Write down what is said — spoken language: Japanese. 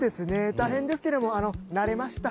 大変ですけども慣れました。